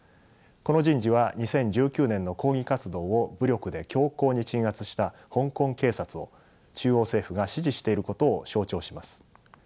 この人事は２０１９年の抗議活動を武力で強硬に鎮圧した香港警察を中央政府が支持していることを象徴します。